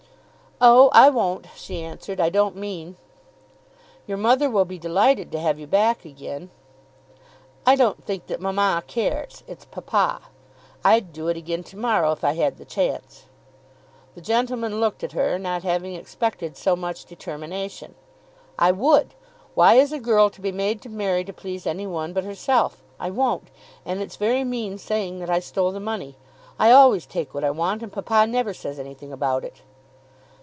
"Oh, I won't," she answered. "I don't mean." "Your mother will be delighted to have you back again." "I don't think that mamma cares. It's papa. I'd do it again to morrow if I had the chance." The gentleman looked at her, not having expected so much determination. "I would. Why is a girl to be made to marry to please any one but herself? I won't. And it's very mean saying that I stole the money. I always take what I want, and papa never says anything about it."